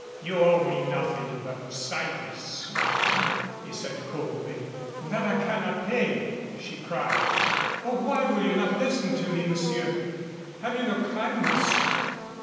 "You owe me nothing but silence, madame," he said, coldly. "And that I cannot pay," she cried. "Oh, why will you not listen to me, monsieur? Have you no kindness?"